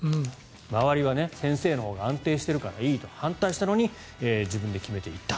周りは先生のほうが安定しているからいいと反対したのに自分で決めて行った。